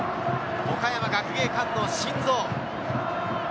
岡山学芸館の心臓。